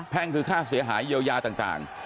คือค่าเสียหายเยียวยาต่าง